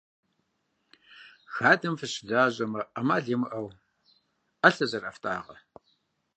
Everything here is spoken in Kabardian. Хадэм фыщылажьэмэ, ӏэмал имыӏэу ӏэлъэ зыӏэрыфтӏагъэ.